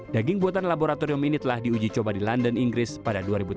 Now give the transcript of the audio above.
daging buatan laboratorium ini telah diuji coba di london inggris pada dua ribu tujuh belas